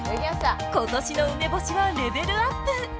今年の梅干しはレベルアップ。